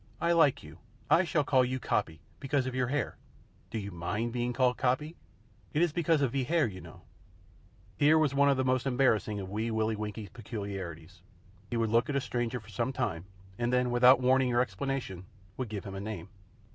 "I like you. I shall call you Coppy, because of your hair. Do you mind being called Coppy? it is because of ve hair, you know." [Illustration: RUDYARD KIPLING] Here was one of the most embarrassing of Wee Willie Winkie's peculiarities. He would look at a stranger for some time, and then, without warning or explanation, would give him a name.